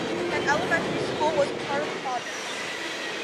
An elementary school was part of the project.